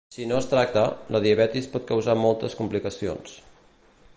Si no es tracta, la diabetis pot causar moltes complicacions.